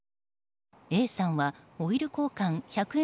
Ａさんはオイル交換１００円